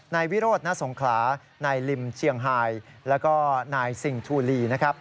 นายวิโรธณสงขลานายลิมเชียงไฮแล้วก็นายซิงทูลีนะครับ